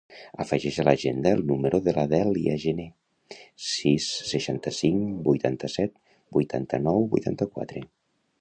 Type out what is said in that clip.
Afegeix a l'agenda el número de la Dèlia Gene: sis, seixanta-cinc, vuitanta-set, vuitanta-nou, vuitanta-quatre.